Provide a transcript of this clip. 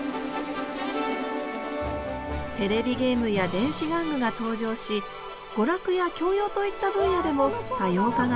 テレビゲームや電子玩具が登場し娯楽や教養といった分野でも多様化が進んでいきました